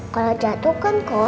kalo jatuh kan kotor